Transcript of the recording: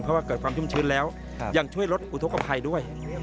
เพราะว่าเกิดความชุ่มชื้นแล้วยังช่วยลดอุทธกภัยด้วย